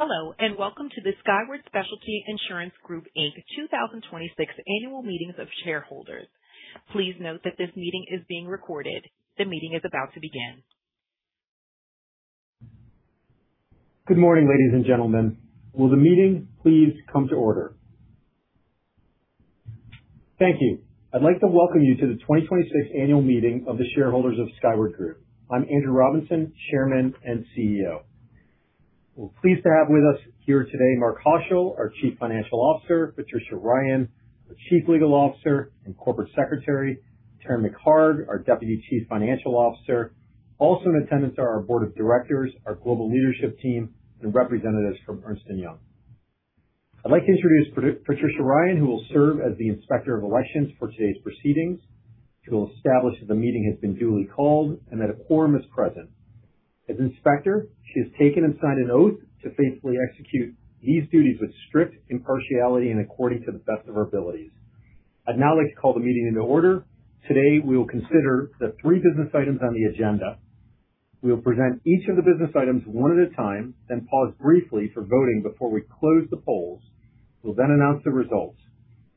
Hello, welcome to the Skyward Specialty Insurance Group Inc. 2026 Annual Meetings of Shareholders. Please note that this meeting is being recorded. The meeting is about to begin. Good morning, ladies and gentlemen. Will the meeting please come to order? Thank you. I'd like to welcome you to the 2026 annual meeting of the shareholders of Skyward Group. I'm Andrew Robinson, Chairman and CEO. We're pleased to have with us here today Mark Haushill, our Chief Financial Officer, Patricia Ryan, our Chief Legal Officer and Corporate Secretary, and Taryn McHarg, our Deputy Chief Financial Officer. Also in attendance are our board of directors, our global leadership team, and representatives from Ernst & Young. I'd like to introduce Patricia Ryan, who will serve as the Inspector of Elections for today's proceedings. She will establish that the meeting has been duly called and that a quorum is present. As inspector, she has taken and signed an oath to faithfully execute these duties with strict impartiality and according to the best of her abilities. I'd now like to call the meeting into order. Today, we will consider the three business items on the agenda. We will present each of the business items one at a time, then pause briefly for voting before we close the polls. We'll then announce the results.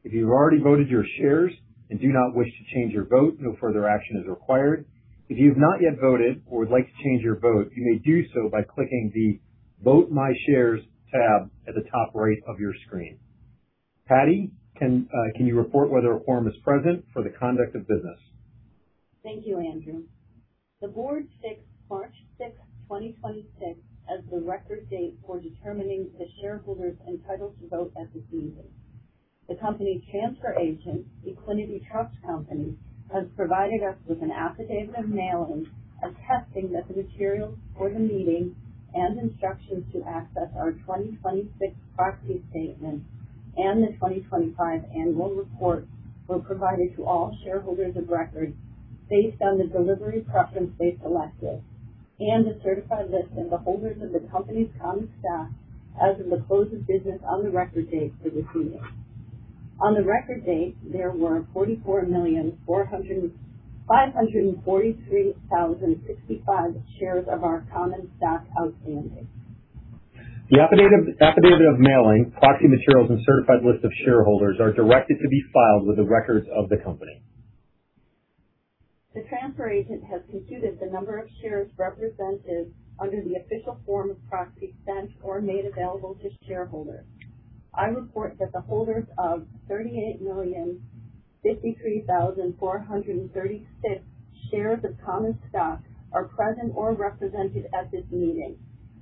If you've already voted your shares and do not wish to change your vote, no further action is required. If you've not yet voted or would like to change your vote, you may do so by clicking the Vote My Shares tab at the top right of your screen. Patty, can you report whether a quorum is present for the conduct of business? Thank you, Andrew. The board fixed March sixth, 2026, as the record date for determining the shareholders entitled to vote at this meeting. The company transfer agent, Equiniti Trust Company, has provided us with an affidavit of mailing, attesting that the materials for the meeting and instructions to access our 2026 proxy statement and the 2025 annual report were provided to all shareholders of record based on the delivery preference they selected, and a certified list of the holders of the company's common stock as of the close of business on the record date for this meeting. On the record date, there were 44,543,065 shares of our common stock outstanding. The affidavit of mailing, proxy materials, and certified list of shareholders are directed to be filed with the records of the company. The transfer agent has computed the number of shares represented under the official form of proxy sent or made available to shareholders. I report that the holders of 38,053,436 shares of common stock are present or represented at this meeting,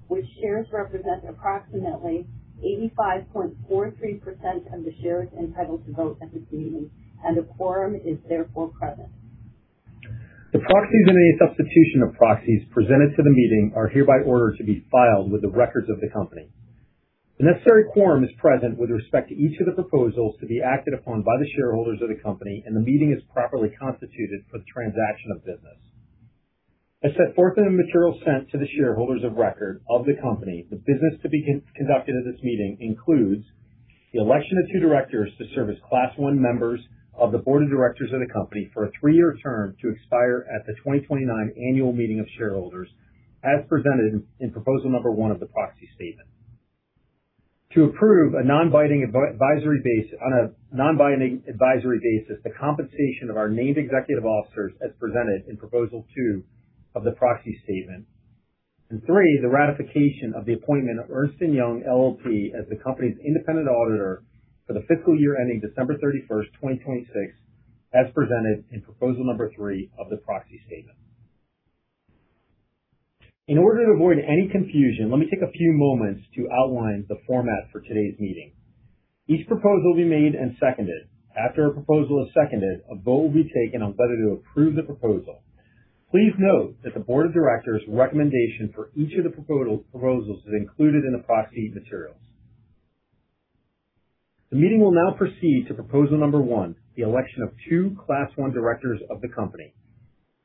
which shares represent approximately 85.43% of the shares entitled to vote at this meeting, and a quorum is therefore present. The proxies and any substitution of proxies presented to the meeting are hereby ordered to be filed with the records of the company. The necessary quorum is present with respect to each of the proposals to be acted upon by the shareholders of the company, and the meeting is properly constituted for the transaction of business. As set forth in the material sent to the shareholders of record of the company, the business to be conducted at this meeting includes the election of two directors to serve as Class I members of the Board of Directors of the company for a three-year term to expire at the 2029 annual meeting of shareholders, as presented in proposal number one of the proxy statement. To approve on a non-binding advisory basis, the compensation of our named executive officers as presented in proposal two of the proxy statement. Three, the ratification of the appointment of Ernst & Young LLP as the company's independent auditor for the fiscal year ending December 31st, 2026, as presented in proposal number three of the proxy statement. In order to avoid any confusion, let me take a few moments to outline the format for today's meeting. Each proposal will be made and seconded. After a proposal is seconded, a vote will be taken on whether to approve the proposal. Please note that the board of directors' recommendation for each of the proposals is included in the proxy materials. The meeting will now proceed to proposal number one, the election of two Class I directors of the company.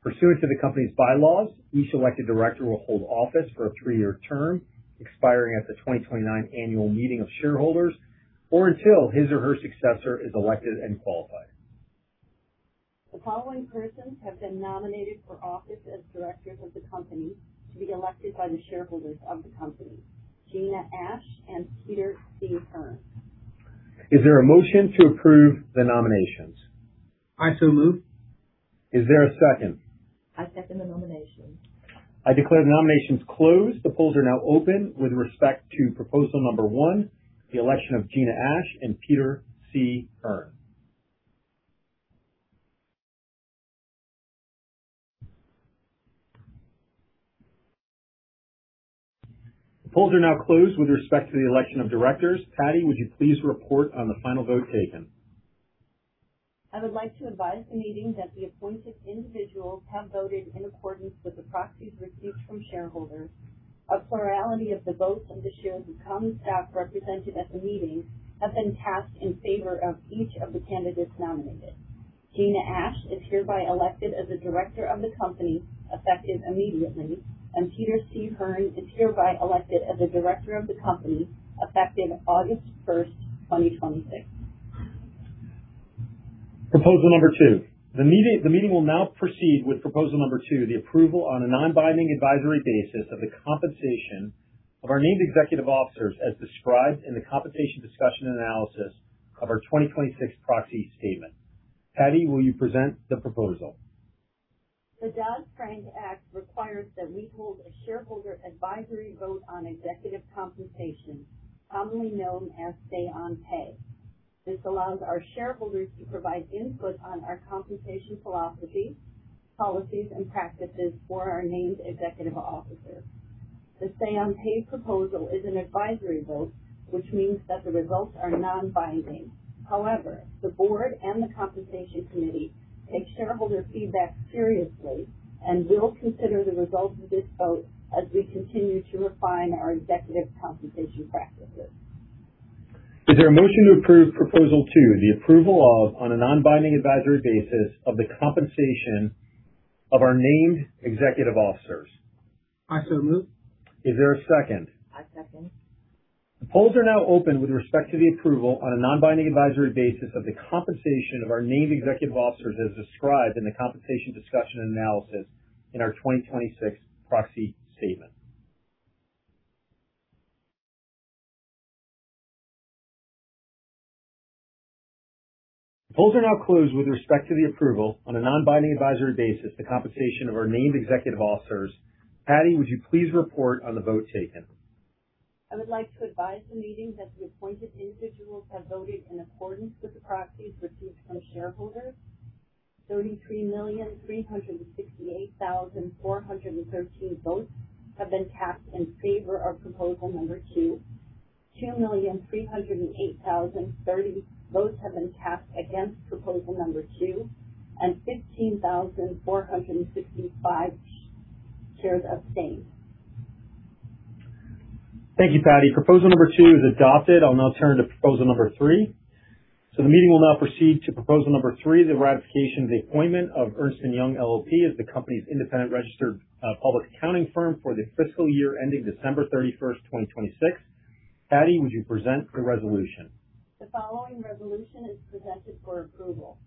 Pursuant to the company's bylaws, each elected director will hold office for a three-year term expiring at the 2029 annual meeting of shareholders, or until his or her successor is elected and qualified. The following persons have been nominated for office as directors of the company to be elected by the shareholders of the company, Gena Ashe and Peter C. Hearn. Is there a motion to approve the nominations? I so move. Is there a second? I second the nomination. I declare the nominations closed. The polls are now open with respect to proposal number one, the election of Gena Ashe and Peter C. Hearn. The polls are now closed with respect to the election of directors. Patty, would you please report on the final vote taken? I would like to advise the meeting that the appointed individuals have voted in accordance with the proxies received from shareholders. A plurality of the votes of the shares of common stock represented at the meeting have been cast in favor of each of the candidates nominated. Gena Ashe is hereby elected as a director of the company, effective immediately, and Peter C. Hearn is hereby elected as a director of the company, effective August first, 2026. Proposal number two. The meeting will now proceed with proposal number two, the approval on a non-binding advisory basis of the compensation of our named executive officers as described in the compensation discussion and analysis of our 2026 proxy statement. Patty, will you present the proposal? The Dodd-Frank Act requires that we hold a shareholder advisory vote on executive compensation, commonly known as say on pay. This allows our shareholders to provide input on our compensation philosophy, policies, and practices for our named executive officers. The say on pay proposal is an advisory vote, which means that the results are non-binding. However, the board and the compensation committee take shareholder feedback seriously and will consider the results of this vote as we continue to refine our executive compensation practices. Is there a motion to approve proposal two, the approval of, on a non-binding advisory basis, of the compensation of our named executive officers? I so move. Is there a second? I second. The polls are now open with respect to the approval on a non-binding advisory basis of the compensation of our named executive officers as described in the compensation discussion analysis in our 2026 proxy statement. The polls are now closed with respect to the approval on a non-binding advisory basis, the compensation of our named executive officers. Patty, would you please report on the vote taken? I would like to advise the meeting that the appointed individuals have voted in accordance with the proxies received from shareholders. 33,368,413 votes have been cast in favor of proposal number two. 2,308,030 votes have been cast against proposal number two, and 15,465 shares abstain. Thank you, Patty. Proposal number two is adopted. I'll now turn to proposal number three. The meeting will now proceed to proposal number three, the ratification of the appointment of Ernst & Young LLP as the company's independent registered public accounting firm for the fiscal year ending December thirty-first, 2026. Patty, would you present the resolution? The following resolution is presented for approval.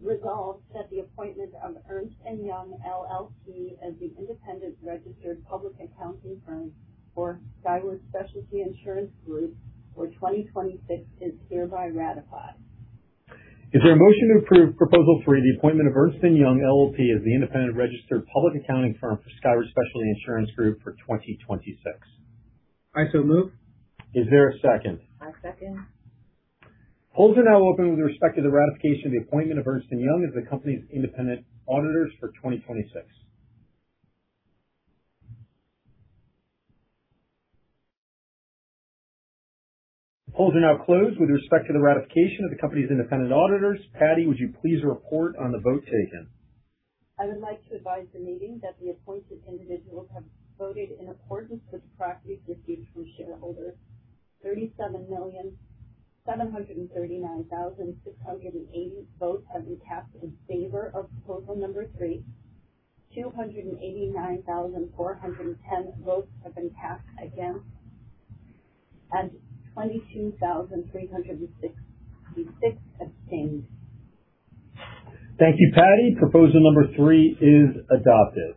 Resolved that the appointment of Ernst & Young LLP as the independent registered public accounting firm for Skyward Specialty Insurance Group for 2026 is hereby ratified. Is there a motion to approve proposal three, the appointment of Ernst & Young LLP as the independent registered public accounting firm for Skyward Specialty Insurance Group for 2026? I so move. Is there a second? I second. Polls are now open with respect to the ratification of the appointment of Ernst & Young as the company's independent auditors for 2026. The polls are now closed with respect to the ratification of the company's independent auditors. Patty, would you please report on the vote taken? I would like to advise the meeting that the appointed individuals have voted in accordance with proxies received from shareholders. 37,739,680 votes have been cast in favor of proposal number three. 289,410 votes have been cast against, and 22,366 abstained. Thank you, Patty. Proposal number three is adopted.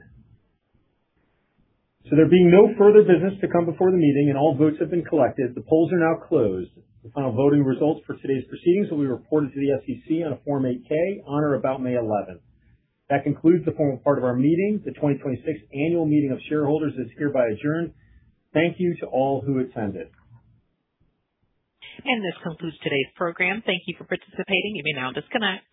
There being no further business to come before the meeting and all votes have been collected, the polls are now closed. The final voting results for today's proceedings will be reported to the SEC on a Form 8-K on or about May 11th. That concludes the formal part of our meeting. The 2026 annual meeting of shareholders is hereby adjourned. Thank you to all who attended. This concludes today's program. Thank you for participating. You may now disconnect.